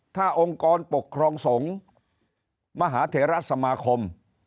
ถ้าองค์กรปกครองสงฆ์มหาเถระสมาคม